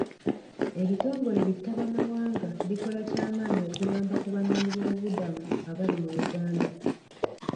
Ebitongole bi ttabamawanga bikola ky'amaanyi okuyamba ku banoonyi b'obubudamu abali mu Uganda.